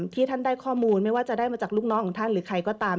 ที่ท่านได้ข้อมูลไม่ว่าจะได้มาจากลูกน้องของท่านหรือใครก็ตาม